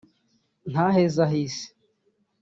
Ntaheza hisi